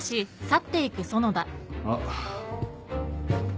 あっ。